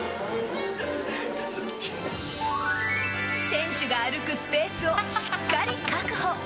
選手が歩くスペースをしっかり確保。